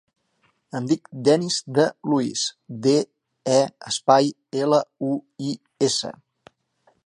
Em dic Denís De Luis: de, e, espai, ela, u, i, essa.